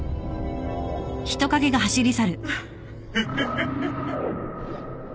・フッフフフ。